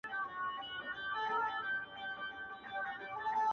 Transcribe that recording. • عدالت بايد رامنځته سي ژر..